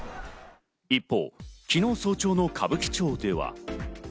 一方、昨日早朝の歌舞伎町では。